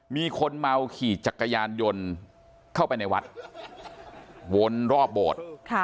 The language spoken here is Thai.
มีคนเมาขี่จักรยานยนต์เข้าไปในวัดวนรอบโบสถ์